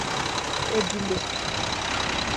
ebule